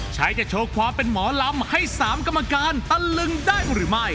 จะโชว์ความเป็นหมอลำให้๓กรรมการตะลึงได้หรือไม่